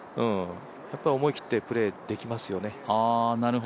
やっぱり思い切ってプレーできますよね。